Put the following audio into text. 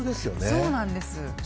そうなんです。